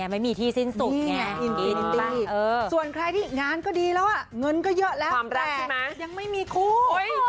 ๗๘ไม่มีที่สิ้นสุดส่วนใครที่งานก็ดีแล้วเงินก็เยอะแล้วแต่ยังไม่มีคู่